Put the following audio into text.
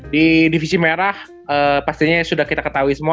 di divisi merah pastinya sudah kita ketahui semua